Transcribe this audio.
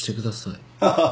ハハハハ。